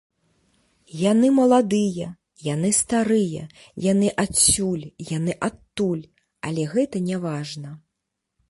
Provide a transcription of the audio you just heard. Яны маладыя, яны старыя, яны адсюль, яны адтуль, але гэта няважна.